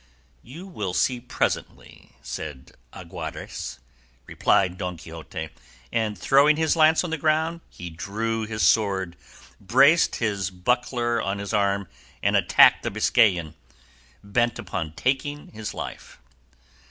"'"You will see presently," said Agrajes,'" replied Don Quixote; and throwing his lance on the ground he drew his sword, braced his buckler on his arm, and attacked the Biscayan, bent upon taking his life.